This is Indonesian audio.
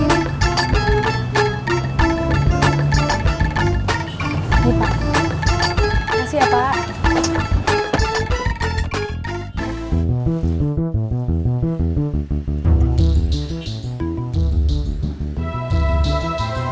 nggak sia pak